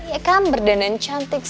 ya kan berdanan cantik